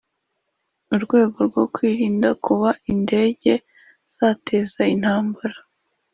urwego rwo kwirinda kuba indege zateza intambara